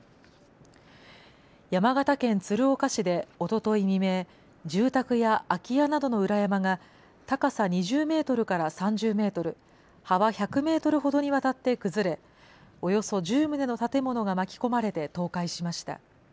山形県鶴岡市でおととい未明、住宅や空き家などの裏山が、高さ２０メートルから３０メートル、幅１００メートルほどにわたって崩れ、およそ１０棟の建物が巻き込まれて倒壊しました。